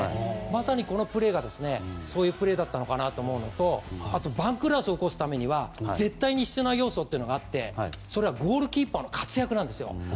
まさにこのプレーがそういうプレーだったのかなと思うのとあと番狂わせを起こすためには絶対に必要な要素があってそれはゴールキーパーの活躍なんですよ。